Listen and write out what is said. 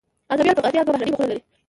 الزاویة الافغانیه دوه بهرنۍ مخونه لري.